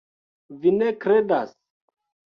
Vi ne kredas?